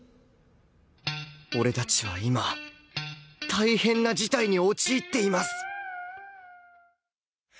俺たちは今大変な事態に陥っています